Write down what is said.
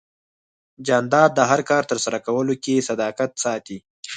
جانداد د هر کار ترسره کولو کې صداقت ساتي.